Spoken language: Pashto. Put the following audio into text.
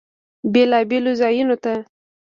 بیلابیلو ځایونو ته